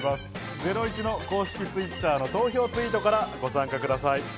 ゼロイチ公式Ｔｗｉｔｔｅｒの投票ツイートからご参加ください。